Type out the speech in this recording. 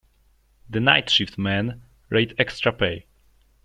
The night shift men rate extra pay.